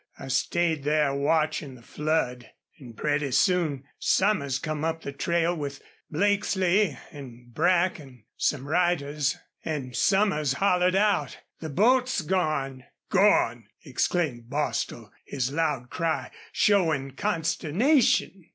I stayed there watchin' the flood, an' pretty soon Somers come up the trail with Blakesley an' Brack an' some riders.... An' Somers hollered out, 'The boat's gone!'" "Gone!" exclaimed Bostil, his loud cry showing consternation.